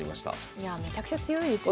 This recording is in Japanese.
いやあめちゃくちゃ強いですよね。